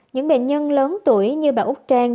những bệnh nhân lớn tuổi như bà úc trang